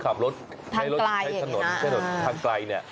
ขับรถทางไกล